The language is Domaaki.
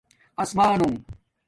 آسمانونݣ